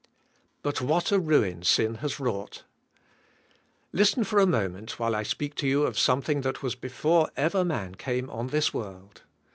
But what a ruin sin has wroug ht. Listen for a moment while I speak to you of something that was before ever man came on this world.